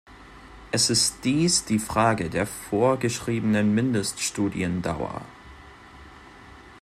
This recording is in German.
Es ist dies die Frage der vorgeschriebenen Mindeststudiendauer.